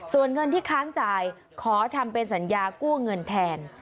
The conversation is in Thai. ส่วนเงินที่ค้างจ่ายขอทำเป็นสัญญากู้เงินแทน